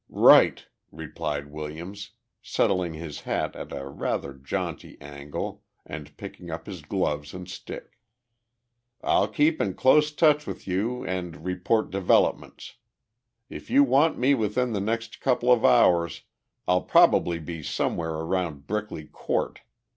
"Right!" replied Williams, settling his hat at a rather jaunty angle and picking up his gloves and stick. "I'll keep in close touch with you and report developments. If you want me within the next couple of hours I'll probably be somewhere around Brickley Court.